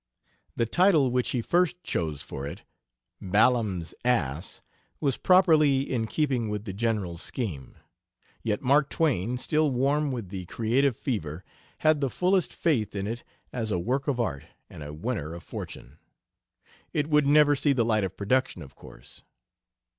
The title which he first chose for it, "Balaam's Ass," was properly in keeping with the general scheme. Yet Mark Twain, still warm with the creative fever, had the fullest faith in it as a work of art and a winner of fortune. It would never see the light of production, of course.